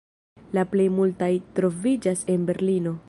La plej multaj troviĝas en Berlino.